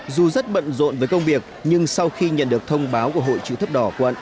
dù rất bận rộn với công việc nhưng sau khi nhận được thông báo của hội chữ thấp đỏ quận